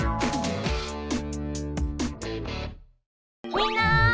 みんな！